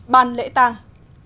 ban lễ tăng